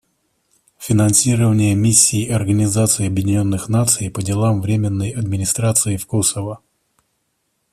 Финансирование Миссии Организации Объединенных Наций по делам временной администрации в Косово.